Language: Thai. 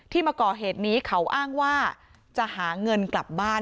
มาก่อเหตุนี้เขาอ้างว่าจะหาเงินกลับบ้าน